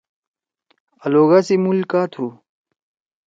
آلوگا سی مُول کا تُھو؟